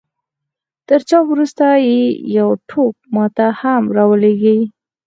تر چاپ وروسته يې يو ټوک ما ته هم را ولېږئ.